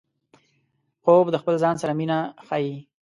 خوب د خپل ځان سره مینه ښيي